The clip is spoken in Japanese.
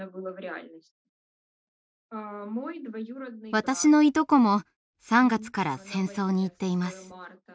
私のいとこも３月から戦争に行っています。